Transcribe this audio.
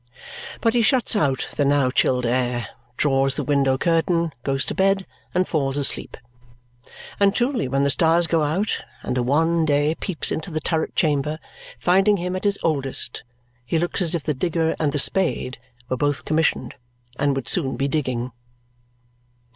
But he shuts out the now chilled air, draws the window curtain, goes to bed, and falls asleep. And truly when the stars go out and the wan day peeps into the turret chamber, finding him at his oldest, he looks as if the digger and the spade were both commissioned and would soon be digging.